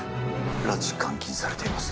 拉致監禁されています